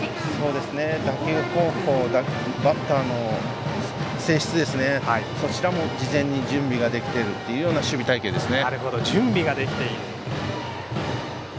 打球方向、バッターの性質そちらも事前に準備ができてるというような守備隊形ですね。